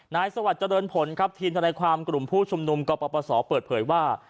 นายสวัสดิ์เจริญผลครับทีมธนาความกลุ่มผู้ชมนุมกับประสอเปิดเผยว่า